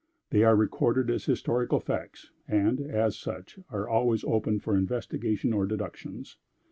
They are recorded as historical facts, and, as such, are always open for investigation or deductions.